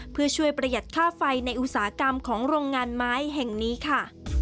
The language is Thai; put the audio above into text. เพื่อช่วยประหยัดค่าไฟในอุตสาหกรรมของโรงงานไม้แห่งนี้ค่ะ